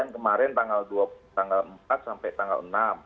kemarin tanggal empat sampai tanggal enam